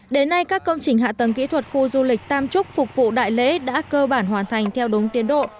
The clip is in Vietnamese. đến nay các công trình hạ tầng kỹ thuật khu du lịch tam trúc phục vụ đại lễ đã cơ bản hoàn thành theo đúng tiến độ